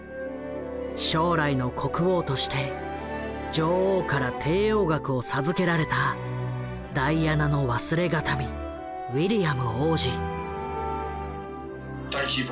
将来の国王として女王から帝王学を授けられたダイアナの忘れ形見ウィリアム王子。